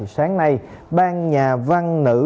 sáng nay ban nhà văn nữ